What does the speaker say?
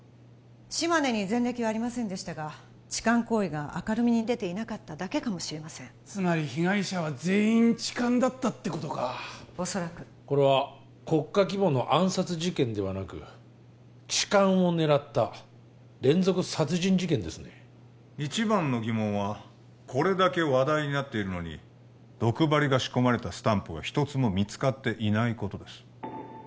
島根に前歴はありませんでしたが痴漢行為が明るみに出ていなかっただけかもしれませんつまり被害者は全員痴漢だったってことか恐らくこれは国家規模の暗殺事件ではなく痴漢を狙った連続殺人事件ですね一番の疑問はこれだけ話題になっているのに毒針が仕込まれたスタンプが一つも見つかっていないことです